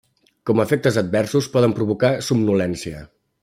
Com a efectes adversos poden provocar somnolència.